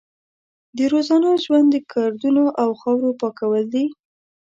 د روزانه ژوند د ګردونو او خاورو پاکول دي.